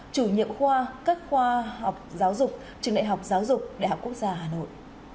chủ nhiệm khoa các khoa học giáo dục trường đại học giáo dục đại học quốc gia hà nội